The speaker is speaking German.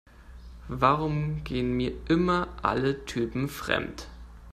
Warum gehen mir immer alle Typen fremd?